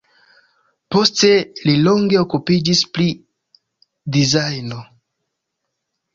Poste li longe okupiĝis pri dizajno.